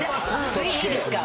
次いいですか。